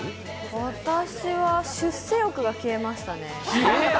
私は出世欲が消えましたね。